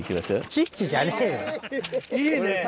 チッチじゃねえよ。